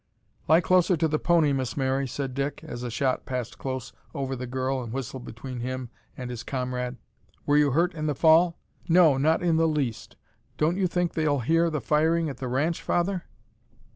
"Lie closer to the pony, Miss Mary," said Dick, as a shot passed close over the girl and whistled between him and his comrade. "Were you hurt in the fall?" "No, not in the least. Don't you think they'll hear the firing at the ranch, father?"